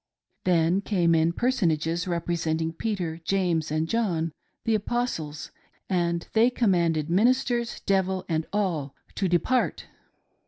Then canie in personages representing Peter, James, and John, the Apostles, and they commanded ministers, devil, and all, to depart.